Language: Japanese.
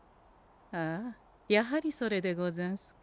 ああやはりそれでござんすか。